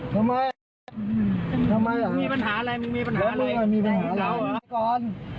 ทำไมทำไมอ่ะมึงมีปัญหาอะไรมึงมีปัญหาอะไรแล้วมึงมีปัญหาอะไร